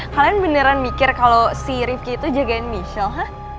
kalian beneran mikir kalo si rifki itu jagain michelle